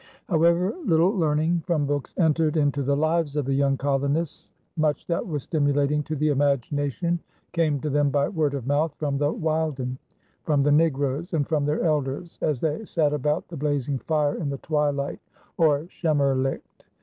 However little learning from books entered into the lives of the young colonists, much that was stimulating to the imagination came to them by word of mouth from the wilden, from the negroes, and from their elders as they sat about the blazing fire in the twilight, or schemerlicht.